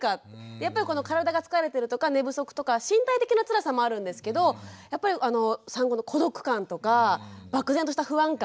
やっぱり体が疲れてるとか寝不足とか身体的なつらさもあるんですけどやっぱり産後の孤独感とか漠然とした不安感。